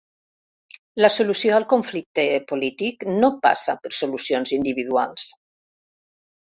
La solució al conflicte polític no passa per solucions individuals.